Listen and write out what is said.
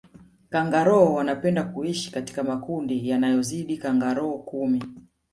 kangaroo wanapenda kuishi katika makundi yanayozidi kangaroo kumi